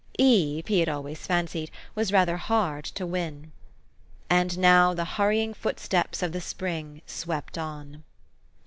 Eve, he had always fancied, was rather hard to win. And now the hurrying footsteps of the spring swept on.